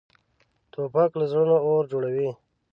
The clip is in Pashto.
توپک له زړونو اور جوړوي.